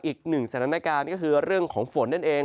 อีกหนึ่งสถานการณ์ก็คือเรื่องของฝนนั่นเอง